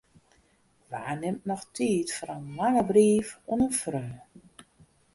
Wa nimt noch tiid foar in lange brief oan in freon?